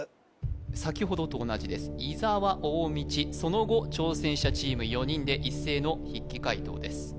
さきほどと同じです伊沢大道その後挑戦者チーム４人で一斉の筆記解答です